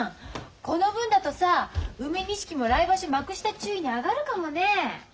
この分だとさ梅錦も来場所幕下中位に上がるかもね。